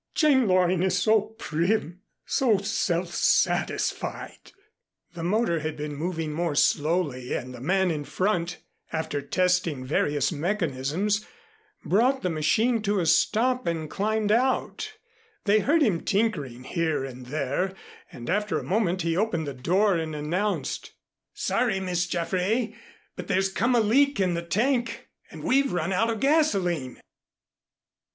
Jane Loring is so prim, so self satisfied " The motor had been moving more slowly and the man in front after testing various mechanisms, brought the machine to a stop and climbed out. They heard him tinkering here and there and after a moment he opened the door and announced. "Sorry, Miss Jaffray, but there's come a leak in the tank, and we've run out of gasoline."